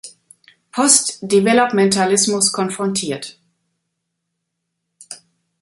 Post-Developmentalismus konfrontiert.